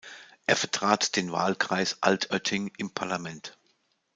Er vertrat den Wahlkreis Altötting im Parlament.